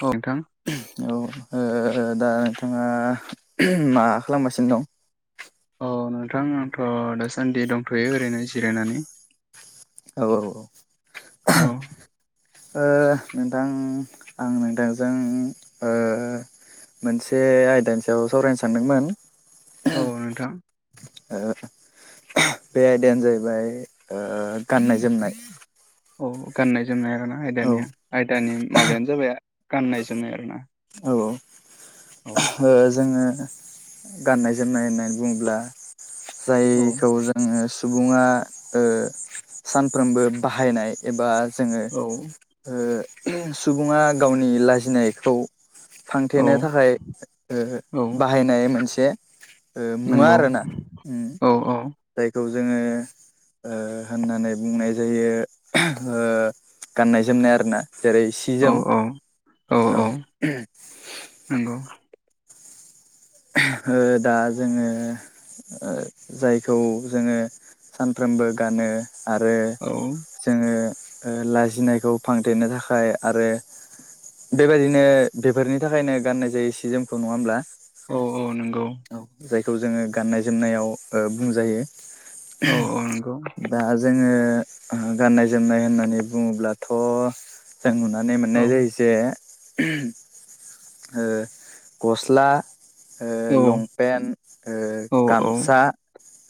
औ नोंथां औ ओ ओ दा नोंथाङा मा खालामगासिनो दं? अ नोंथां आंथ दासान्दि दंथ'यो ओरैनो जिरायनानै। औ औ औ ओ नोंथां आं नोंथांजों ओ मोनसे आयदानि सायाव सावरायनो सानदोंमोन। औ नोंथां। [unintelligible] बे आयदायानो जायैबाय गाननाय जोमनाय। औ गाननाय जोमनाय आरो ना औ आयदानिया आयदानि माबायानो जाबाय गाननाय जोमनाय आरो ना। औ ओ जोङो। गाननाय जोमनाय होननानै बुङोब्ला औ जायखौ जोङो। सुबुङा ओ सानफ्रोमबो बाहायनाय एबा जोङो औ ओ सुबुङा गावनि लाजिनायखौ औ फांथेनो थाखाय ओ औ बाहायनाय मोनसे ओ मुवा नंगौ आरो ना। औ औ जायखौ जोङो ओ होननानै बुंनाय जायो ओ गाननाय जोमनाय आरो ना। जेरै सि जोम औ नंगौ ओ दा जोङो ओ जायखौ जोङो। सानफ्रोमबो गानो आरो औ जोङो। ओ लाजिनायखौ फांथेनो थाखाय आरो बेबायदिनो बेफोरनि थाखायनो गाननाय जायो सि जोमखौ नङा होमब्ला? औ औ नोंगौ। खौ जोङो गाननाय जोमनायाव ओ बुंजायो औ औ नंगौ दा जोङो ओ गाननाय जोमनाय होननानै बुङोब्लाथ' जों नुनानै औ मोननाय जायो जे ओ गस्ला ओ औ लंपेन ओ औ औ गामसा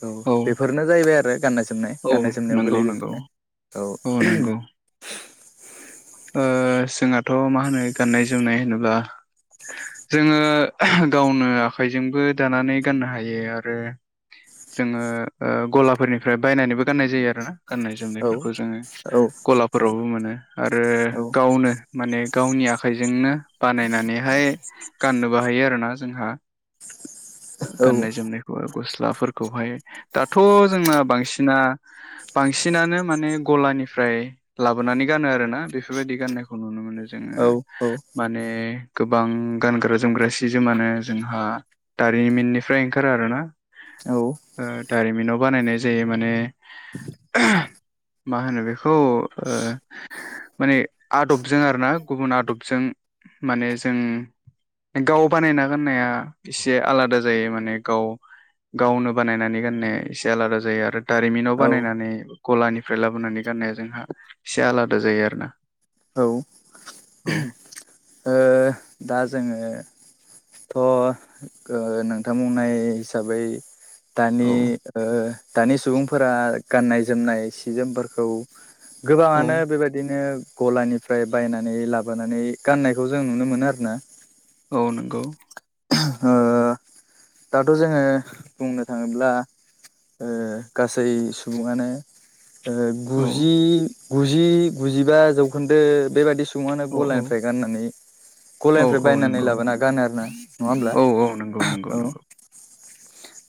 औ बेफोरनो जाहैबाय आरो गाननाय जोमनाय औ गाननाय जोमनायाव नोंगौ गोलैयो नोंगौ बेफोरनो औ नोंगौ। ओ जोंहाथ' मा होनो गाननाय जोमनाय होनोब्ला जोङो गावनो आखाइजोंबो दानानै गाननो हायो आरो। जोङो ओ गलाफोरनिफ्राय बायनानैबो गाननाय जायो आरोना गाननाय औ जोमनायफोरखौ जोङो औ गलाफोरावबो मोनो। आरो औ गावनो माने गावनि आखाइजोंनो बानायनानैहाय गाननोबोहाय यो आरोना जोंहा। औ गाननाय जोमनाय खौ गस्लाफोरखौहाय दाथ' जोंना बांसिना बांसिनानो माने गला निफ्राय लाबोनानै गानो आरोना बेफोरबायदि गाननायखौ नुनो मोनो। जोङो औ माने गोबां गानग्रा जोमग्रा सि जोमानो जोंहा दारिमिननिफ्राय ओंखारो आरोना ओ दारिमिनाव बानायनाय जायो माने। मा होनो बेखौ ओ माने आदबजों आरोना गुबुन आदबजों माने जों गाव बानायना गाननाया एसे आलादा जायो माने गाव गावनो बानायनानै गाननाया एसे आलादा जायो आरो। दारिमिनाव औ बानायनानै गलानिफ्राय लाबोनानै गाननाया जोंहा एसे आलादा जायो आरोना। औ ओ औ दा जोङो थ' गो नोंथां बुंननाय हिसाबै दानि औ ओ दानि सुबुंफोरा गाननाय जोमनाय सि जोमफोरखौ औ गोबाङानो बेबायदिनो गलानिफ्राय बायनानै लाबोनानै गाननायखौ जों नुनो मोनो आरोना। औ नोंगौ। ओ दाथ' जोङो बुंनो थाङोब्ला ओ गासै सुबुङानो ओ औ गुजि गुजि गुजिबा जौखोन्दो बेबादि सुबुङानो औ औ गलानिफ्राय गाननानै औ गलानिफ्राय औ बायनानै नंगौ लाबोना गानो आरोना होमब्ला औ औ नंगौ नंगौ औ नंगौ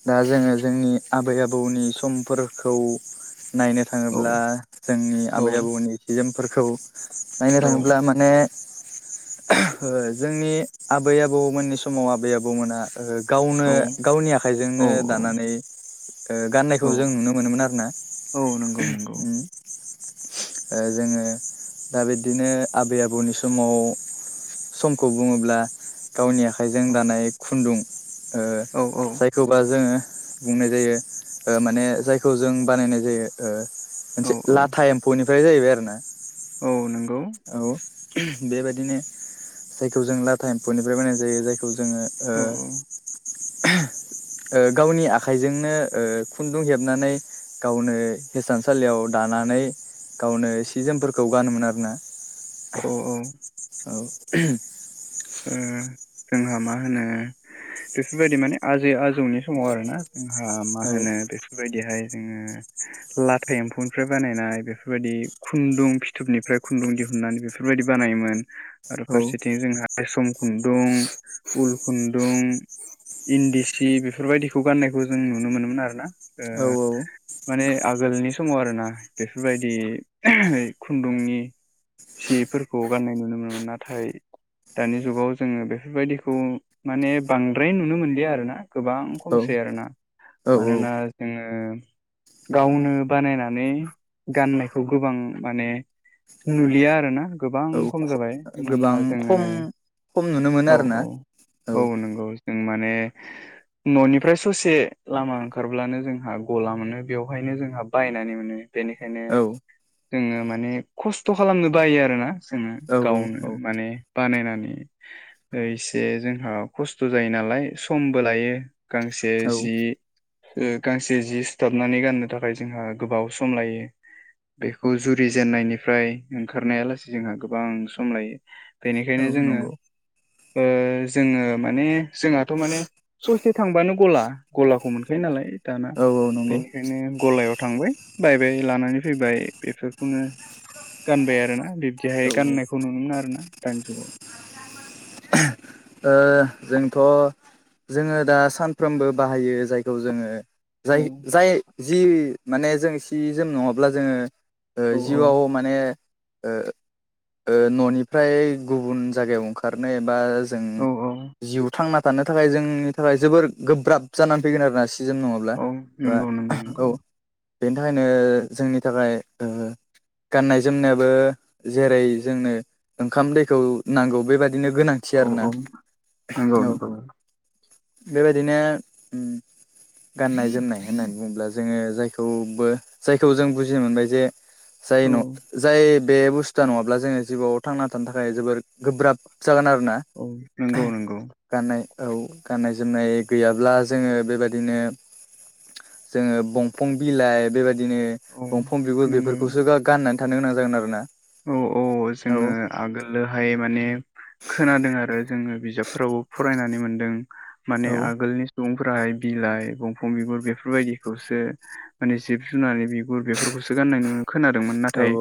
दा जोङो जोंनि आबै आबौनि समफोरखौ नायनो औ थाङोब्ला जोंनि औ आबै आबौनि सि जोमफोरखौ नायनो औ थाङोब्ला माने जोंनि आबै आबौमोननि समाव आबै आबौमोना ओ गावनो औ गावनि आखाइजोंनो औ दानानै ओ गाननायखौ औ जों नुनो मोनोमोन आरो ना। औ नंगौ नंगौ ओ जोङो दा बिदिनो आबै आबौनि समाव समखौ बुङोब्ला गावनि आखाइजों औ दानाय खुन्दुं ओ औ औ जाय अब्रा जोङो बुंनाय जायो ओ माने जायखौ जों बानायनाय जायो ओ औ मोनसे लाथा औ एम्फौनिफ्राय जाहैबाय आरो ना औ नंगौ। बेबायदिनो जायखौ जों लाथा एम्फौनिफ्राय बनानाय जायो जायखौ जोङो ओ औ ओ गावनि आखाइजोंनो ओ खुन्दुं हेबनानै गावनो हिसानसालियाव दानानै गावनो सि जोमफोरखौ गानोमोन आरोना औ औ औ उम जोंहा मा होनो बेफोरबायदि माने आजै आजौनि समाव आरो ना। ओंहा मा होनो बेफोरबायदिहाय जोङो लाथा एम्फौनिफ्राय बानायनाय बेफोरबायदि खुन्दुं फिथोबनिफ्राय खुन्दुं दिहुननानै बेफोरबायदिबो बानायोन आरो औ फारसेथिं जोंहा रेसम खुन्दुं उल खुन्दुं इन्दि सि बेफोरबायदिखौ गाननायखौ जों नुनो मोनोमोन आरोना ओ औ माने आगोलनि समाव आरोना बेफोरबायदि ओइ खुन्दुंनि सिफोरखौ गाननाय नुनो मोनोमोन नाथाय दानि जुगाव जोङो बेफोरबायदिखौ माने बांद्राय नुनो मोनलिया आरोना। गोबां खमसै औ आरोना औ मानोना जोङो गावनो बानायनानै गाननायखौ गोबां माने नुलिया आरो ना गोबां औ खम जाबाय मानोना गोबां जोङो खम खम नुनो मोनो औ आरोना औ औ। नंगौ जों माने न'निफ्राय ससे लामा ओंखारब्लानो जोंहा गला मोनो बेवहायनो जोंहा बायनानै मोनो। बेनिखायनो औ जोङो माने खस्थ' खालामनो बायो आरो ना। जोङो औ गावनो औ माने बानायनानै ओ एसे जोंहा खस्थ' जायो नालाय समबो लायो गांसे औ जि ओ गांसे जि सुथाबनानै गाननो थाखाय जोंहा गोबाव सम लायो। बेखौ जुरि जेननायनिफ्राय ओंखारनाया लासेै जोंहा गोबां सम लायो। बेनिखायनो औ जोङो नंगौ ओ जोङो माने जोंहाथ' माने ससे थांबानो गला गलाखौ मोनखायो नालाय दाना। औ औ नंगौ औ बेनिखायनो गलायाव थांबाय बायबाय लानानै फैबाय बेफोरखौनो गानबाय आरोना। बिब्दिहाय औ ओ गाननायखौ नुनो मोनो आरोना दानि जुगाव। ओ जोंथ' जोङो दा सानफ्रोमबो बाहायो जायखौ जोङो औ जाय जाय जि माने जों सि जोम नङाब्ला जोङो ओ औ जिउआव माने ओ ओ न'निफ्राय गुबुन जायगायाव ओंखारनो एबा जों औ औ जिउ थांना थानो थाखाय जोंनि थाखाय जोबोर गोब्राब जानानै फैगोन आरो ना सि सि जोम नङाब्ला औ नंगौ नंगौ नंगौ औ। बेनि थाखायनो जोंनि थाखाय ओ गाननाय जोमनायाबो जेरै जोंनो ओंखाम दैखौ नांगौ बेबायदि बिदिनो गोनांथि औ आरोना औ नंगौ औ। नंगौ बेबायदिनो उम गाननाय जोमनाय होननानै बुङोब्ला जोङो जायखौबो जायखौ जों बुजिनो मोनबाय जे जाय औ न जाय बे बुस्थुआ नङाब्ला जोङो जिउआव थांना थानो थाखाय जोबोर गोब्राब जागोन आरोना औ नंगौ नंगौ गाननाय औ गाननाय जोमनाय गैयाब्ला जोङो बेबाददिनो जोङो बंफं बिलाइ बेबायदि बिदिनो औ बंफं बिगुर नंगौ बेफोरखौसो गा-गाननानै थानो गोनां जागोन आरो ना। औ औ जोङो आगोलोहाय माने खोनादों आरो जोङो बिजाबफोरावबो फरायनानै मोनदों माने औ आगोलनि सुबुं फ्राइ बिलाइ बंफं बिगुर बेफोरबायदिखौसो माने जिब जुनारनि बिगुरफो गुर बेफोरखौसो गाननाय खोनादोंमोन औ नाथाय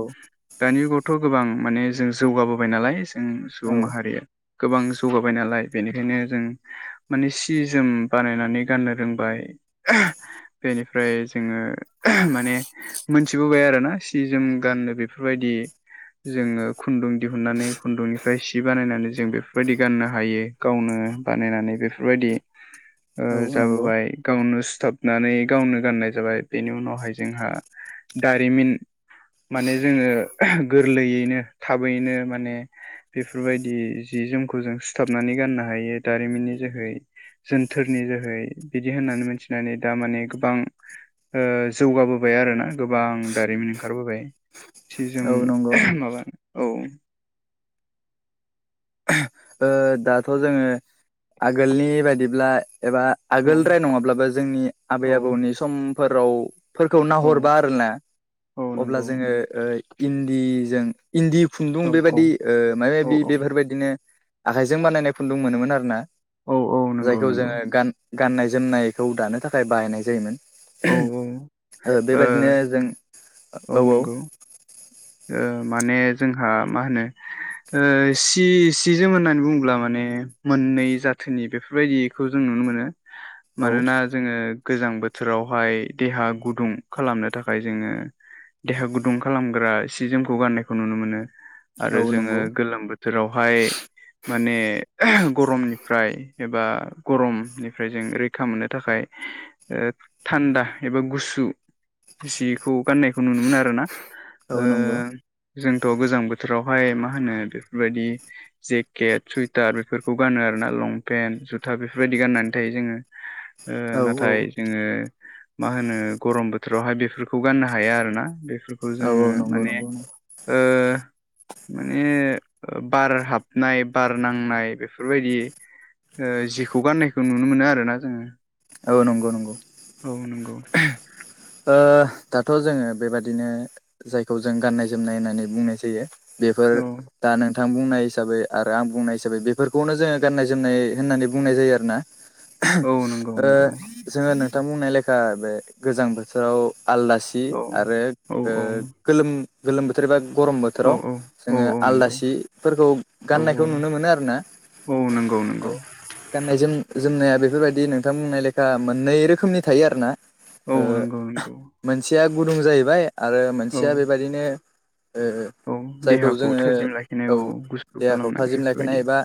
दानि जुगावथ' गोबां माने जों जौगाबोबाय नालाय जों सुबुं औ माहारिया गोबां जौगाबाय नालाय बेनिखायनो जों माने सि जोम बानायनानै गाननो रोंबाय । बेनिफ्राय जोङो माने मोनथिबोबाय आरोना सि -जोम गाननो बेफोरबायदि जोङो खुन्दुं दिहुननानै खुन्दुंनिफ्राय सि बानायनानै जों बेफोरबायदि गाननो हायो गावनो बानायनानै बेफोरबायदि [inaudible] ओ नंगौ जाबोबाय गावनो सिुथाबनानै गावनो गाननाय जाबाय बेनि उनावहाय जोंहा दारिमिन माने जोङो गोरलैयैनो थाबैनो माने बेफोरबायदि जि जोमखौ जों सुथाबनानै गाननो हायो दारिमिननि जोहै । जोनथोरनि जोहै बिदि होननानै मिथिनानै दा माने गोबां ओ जौगाबोबाय आरो ना गोबां दारिमिन ओंखारबोबाय सि जोम औ नंगौ माबा औ ओ दाथ' जोङो आगोलनि बायदिब्ला एबा औ आगोल द्राय नङाब्लाबो जोंनि आबै औ आबौनि समफोराव फोरखौ औ नाहरबा आरोना औ अब्ला नंगौ जोङो ओ इन्दिजों इन्दि खुन्दुं औ बेबायदि ओ माने औ बि बेफोरबायदि आखाइजों बानायनाय फुन्दुं मोनोमोन आरोना औ औ नंगौ जायखौ नंगौ जोङो गान गाननाय जोमनायखौ दानो थाखाय बाहायनाय जायोमोन औ औ ओ बेबादिनो जों औ औ ओ माने जोंहा मा होनो ओ सि सि जोम होननानै बुङोब्ला माने मोननै जाथोनि बेफोरबायदिखौ जोङो [inaudible] औ मानोना जोङो गोजां बोथोरावहाय देहा गुदुं खालामनो थाखाय जोङो देहा गुदुं खालामग्रा सि जोमखौ गाननायखौ नुनो मोनो। औ आरो औ जोङो नंगौ गोलोम बोथोरावहाय माने गरमनिफ्राय एबा गरमनिफ्राय जों रैखा मोननो थाखाय ओ थान्दा एबा गु सु सिखौ गाननायखौ नुनो मोनो आरो ना औ नंगौ। जोंथ' गोजां बोथोरावहाय मा होनो बेफोरबायदि जेकेट, सुइटार बेफोरखौ गानो आरो ना लंपेन जुथा बेफोरबायदि गाननानै थायो जोङो ओ औ औ नाथाय जोङो मा होनो गरम बोथोरावहाय बेफोरखौ गाननो हाया आरोना बे फोरखौ जोङो औ नंगौ माने नंगौ ओ माने बार हाबनाय बार नांनाय बेफोरबायदि ओ जिखौ गाननायखौ नुनो मोनो आरो ना जोङो औ नंगौ नंगौ। औ नंगौ। ओ दाथ' जोङो बेबादिनो जायखौ जों गाननाय जोमनाय होननानै बुंनाय जायो। बेफोर औ दा नों नोंथां बुंनाय हिसाबै आरो आं बुंनाय हिसाबै बेफोरखौनो जोङो गाननाय जोमनाय होननानै बुंनाय जायो आरोना औ नंगौ ओ नंगौ। जोङो नोंथां बुंनाय लेखा बे गोजां बोथोराव आलादा सि औ आरो औ ओ गोलोम गोलोम बोथोर बा गरम औ बोथोराव औ औ जोङो औ नंगौ आलदासिफोरखौ औ औ गाननायखौ नुनो मोनो आरोना औ नंगौ नंगौ। गाननाय जोम जोमनाया बेफोरबायदि नोंथां बुंनाय लेखा मोननै रोखोमनि थायो आरो ना औ नंगौ नंगौ। मोनसेया गुदुं जाहैबाय आरो औ मोनसेया बेबायदिनो ओ औ जायखौ देहाखौ जोङो थाजिम लाखिनाय औ गुसु देहाखौ खालामनाय थाजिम लाखिनाय बेफोरबायदि एबा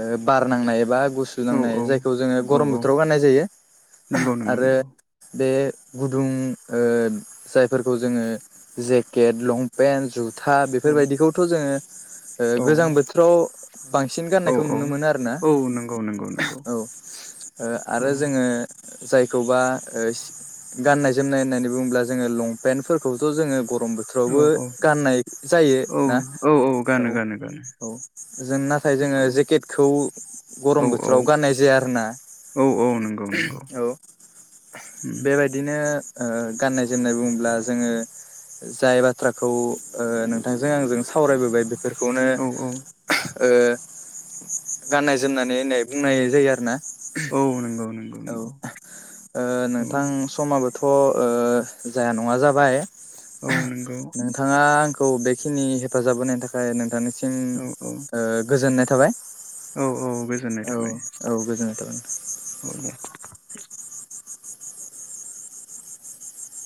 ओ बार नांनाय एबा गुसु औ नांनाय औ जायखौ जोङो औ गरम बो औ थोराव गाननाय जायो नंगौ नंगौ आरो नंगौ बे गुदुं ओ जायफोरखौ जोङो जेकेट, लंपेन्ट, जु था औ बेफोरबायदिखौथ' जोङो ओ औ गोजां बोथोराव बांसिन औ गाननायखौ औ नुनो मोनो आरो ना औ नंगौ नंगौ नंगौ औ ओ औ आरो जोङो जायखौबा ओ गाननाय जोमनाय होननानै बुङोब्ला जोङो लंपेन्टफोरखौथ' जोङो ग रम औ बोथोरावबो औ गाननाय जायो औ ना औ औ गानो गानो गानो। औ जों नाथाय जोङो नंगौ जेकेटखौ औ गरम औ बोथोराव गाननाय जाया आरोना औ औ नंगौ नंगौ औ उम, बेबायदिनो ओ ओ गाननाय जोमनाय बुङोब्ला जोङो जाय बाथ्राखौ ओ नोंथांजों आंजों सावरायबोबाय बेफोर बेखौनो‌ औ औ ओ गाननाय जोमनानै होननाय बुंनाय जायो आरो ना। नंगौ नंगौ औ नंगौ ओ औ नोंथां समाबो थ' ओ जाया नङा जाबाय औ नंगौ नोंथाङा आं खौ बेखिनि हेफाजाब होनायनि थाखाय नोंथांनिसिम औ औ ओ गोजोननाय थाबाय। औ औ गोजोननाय औ थाबाय औ गोजोन औ दे।